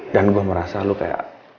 dan gua merasa lu kayak